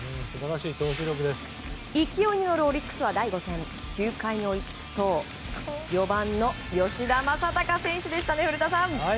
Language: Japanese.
勢いに乗るオリックスは第５戦９回に追いつくと４番の吉田正尚選手でしたね。